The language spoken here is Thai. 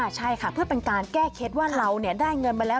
ใช่ค่ะเพื่อเป็นการแก้เคล็ดว่าเราได้เงินมาแล้ว